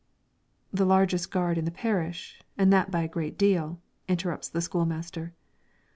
"The largest gard in the parish, and that by a great deal," interrupts the school master.